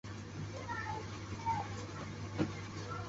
芒特奥利夫是位于美国阿肯色州伊泽德县的一个非建制地区。